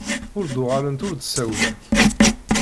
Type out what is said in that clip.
Ur d-uɣalent ur d-sawlent.